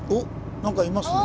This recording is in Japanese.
何かいますね。